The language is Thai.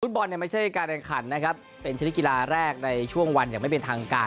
ฟุตบอลไม่ใช่การแข่งฯเป็นชนิดกีฬาแรกในช่วงวันยังไม่เป็นทางการ